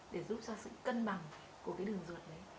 để giúp cho sự cân bằng của cái đường ruột đấy